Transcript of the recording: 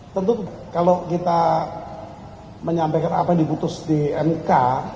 tentu kalau kita menyampaikan apa yang diputus di mk